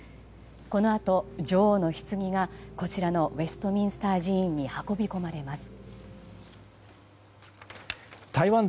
このあと女王のひつぎがウェストミンスター寺院に運び込まれます。